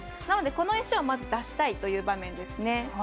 なので、この石をまず出したいという場面ですね。